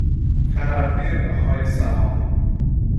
ترقی بهای سهام